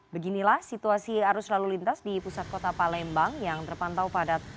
beginilah situasi arus lalu lintas di pusat kota palembang yang terpantau padat